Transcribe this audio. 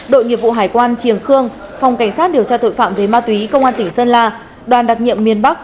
đội nghiệp vụ hải quan triềng khương phòng cảnh sát điều tra tội phạm về ma túy công an tỉnh sơn la đoàn đặc nhiệm miền bắc